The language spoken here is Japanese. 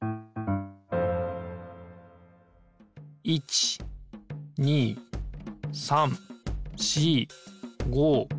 １２３４５６。